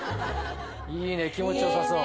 いいね気持ち良さそう。